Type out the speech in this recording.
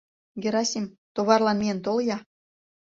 — Герасим, товарлан миен тол-я!